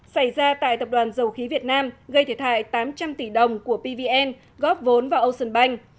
xảy ra tại tập đoàn dầu khí việt nam gây thiệt hại tám trăm linh tỷ đồng của pvn góp vốn vào ocean bank